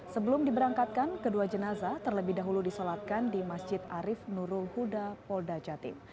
sebelum diberangkatkan kedua jenazah terlebih dahulu disolatkan di masjid arif nurul huda polda jatim